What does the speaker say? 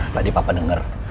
tadi papa denger